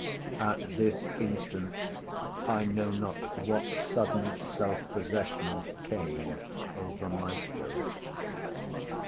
At this instant, I know not what sudden self possession came over my spirit.